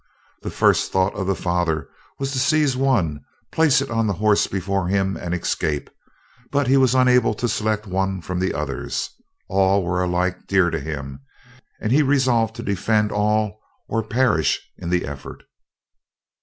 The first thought of the father was to seize one, place it on the horse before him, and escape; but he was unable to select one from the others. All were alike dear to him, and he resolved to defend all or perish in the effort.